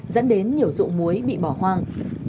dẫn đến nhiều dụng muối bị bỏ hoang